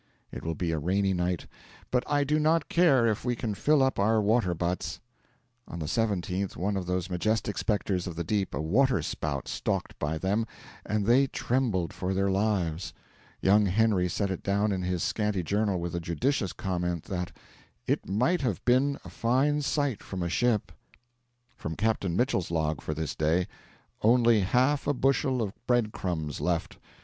It will be a rainy night, 'but I do not care if we can fill up our water butts.' On the 17th one of those majestic spectres of the deep, a water spout, stalked by them, and they trembled for their lives. Young Henry set it down in his scanty journal with the judicious comment that 'it might have been a fine sight from a ship.' From Captain Mitchell's log for this day: 'Only half a bushel of bread crumbs left.'